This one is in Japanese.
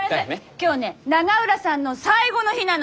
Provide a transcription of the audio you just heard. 今日ね永浦さんの最後の日なの。